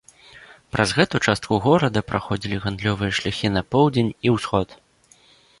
Праз гэту частку горада праходзілі гандлёвыя шляхі на поўдзень і ўсход.